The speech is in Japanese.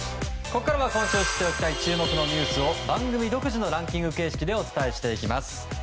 ここからは今週知っておきたい注目のニュースを番組独自のランキング形式でお伝えしていきます。